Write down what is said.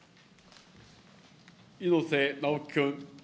猪瀬直樹君。